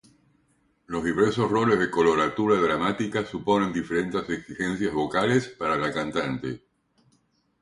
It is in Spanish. Los diversos roles de coloratura dramática suponen diferentes exigencias vocales para la cantante.